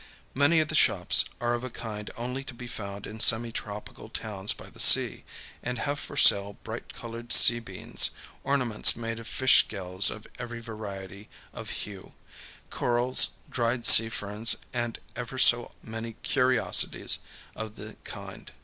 Many of the shops are of a kind only to be found in semi tropical towns by the sea, and have for sale bright colored sea beans, ornaments made of fish scales of every variety of hue, corals, dried sea ferns, and ever so many curiosities of the kind.